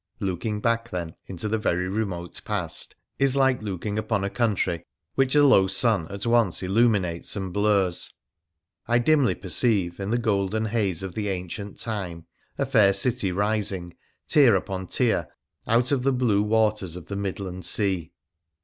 Looking back, then, into the very remote past is like looking upon a country which a low sun at once illuminates and blurs. I dimly perceive in the golden haze of the ancient time a fair city rising, tier upon tier, out of the blue waters of the mid land sea.